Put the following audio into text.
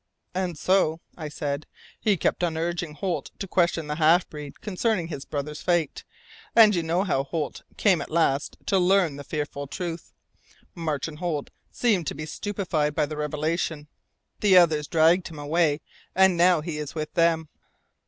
"And so," I said, "he kept on urging Holt to question the half breed concerning his brother's fate, and you know how Holt came at last to learn the fearful truth. Martin Holt seemed to be stupefied by the revelation. The others dragged him away, and now he is with them!"